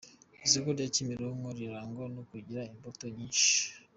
Isoko rya Kimironko rirangwa no kugira imbuto nyinshi.